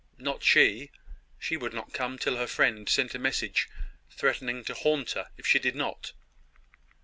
"Not she! She would not come till her friend sent a message threatening to haunt her if she did not."